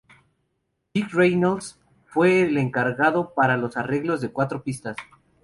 Dick Reynolds fue el encargado para los arreglos en cuatro pistas.